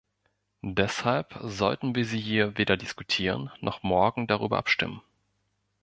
Deshalb sollten wir sie hier weder diskutieren noch morgen darüber abstimmen.